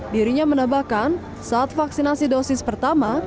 dirinya menambahkan saat vaksinasi dosis pertama